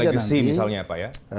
punya legacy misalnya apa ya